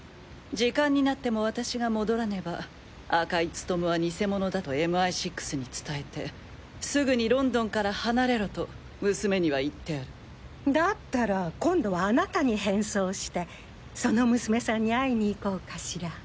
時間になっても私が戻らねば赤井務武はニセ者だとＭＩ６に伝えてすぐにロンドンから離れろと娘には言ってあるだったら今度はあなたに変装してその娘さんに会いに行こうかしら？